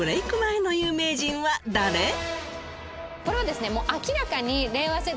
これはですね